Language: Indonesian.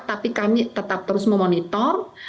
tapi kami tetap terus memonitor